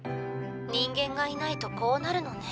人間がいないとこうなるのね。